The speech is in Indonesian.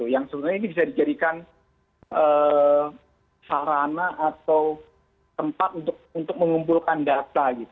yang sebenarnya ini bisa dijadikan sarana atau tempat untuk mengumpulkan data